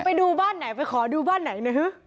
ไปดูบ้านไหนไปขอดูบ้านไหนนะฮะ